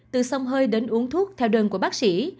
từ sông hơi đến uống thuốc theo đơn của bác sĩ